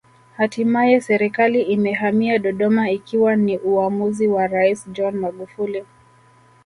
Hatimaye Serikali imehamia Dodoma ikiwa ni uamuzi wa Rais John Magufuli